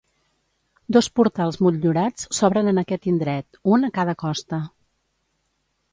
Dos portals motllurats s'obren en aquest indret, un a cada costa.